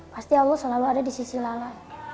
pasti allah selalu ada di sisi lala